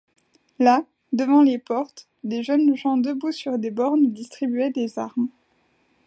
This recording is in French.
Là, devant les portes, des jeunes gens debout sur des bornes distribuaient des armes.